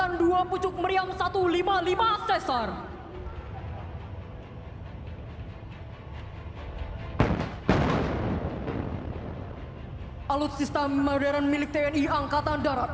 alat sistem modern milik tni angkatan darat